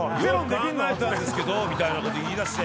「よく考えたんですけど」みたいなこと言いだして。